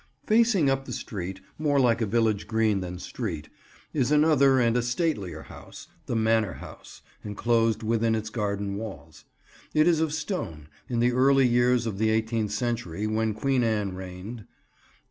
Facing up the rustic street, more like a village green than street, is another and a statelier house: the manor house, enclosed within its garden walls. It is of stone, in the early years of the eighteenth century, when Queen Anne reigned.